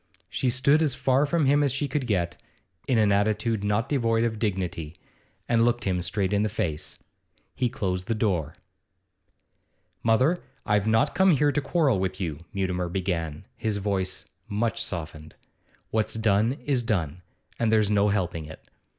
She stood as far from him as she could get, in an attitude not devoid of dignity, and looked him straight in the face. He closed the door. 'Mother, I've not come here to quarrel with you,' Mutimer began, his voice much softened. 'What's done is done, and there's no helping it.